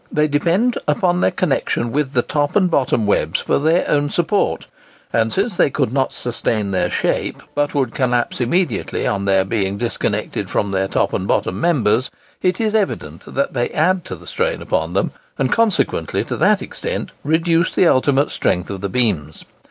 They depend upon their connexion with the top and bottom webs for their own support; and since they could not sustain their shape, but would collapse immediately on their being disconnected from their top and bottom members, it is evident that they add to the strain upon them, and consequently to that extent reduce the ultimate strength of the beams.